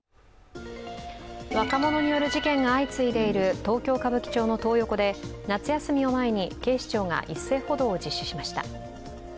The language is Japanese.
若者による事件が相次いでいる東京・歌舞伎町のトー横で、夏休みを前に警視庁が一斉補導を実施しました。